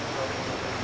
với sự tham gia